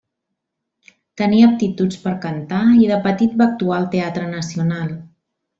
Tenia aptituds per cantar i de petit va actuar al Teatre Nacional.